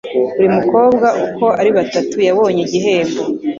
Buri mukobwa uko ari batatu yabonye igihembo.